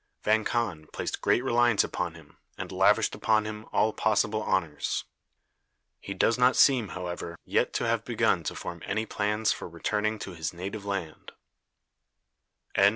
Vang Khan placed great reliance upon him, and lavished upon him all possible honors. He does not seem, however, yet to have begun to form any plans for returning to his native land.